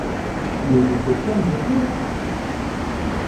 Mais je fais comme je peux !